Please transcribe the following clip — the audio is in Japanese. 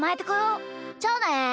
じゃあね！